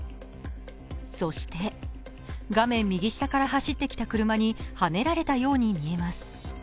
そして、画面右下から走ってきた車にはねられたようにみえます。